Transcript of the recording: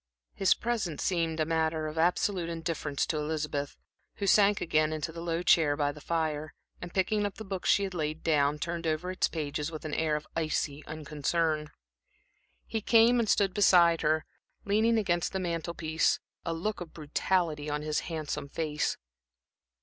His presence seemed a matter of absolute indifference to Elizabeth, who sank again into the low chair by the fire, and picking up the book she had laid down, turned over its pages with an air of icy unconcern. He came and stood beside her, leaning against the mantel piece, a look of brutality on his handsome face.